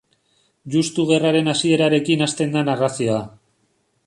Justu gerraren hasierarekin hasten da narrazioa.